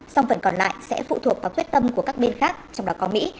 song phần còn lại sẽ phụ thuộc vào quyết tâm của các bên khác trong đó có mỹ